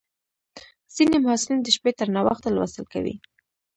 ځینې محصلین د شپې تر ناوخته لوستل کوي.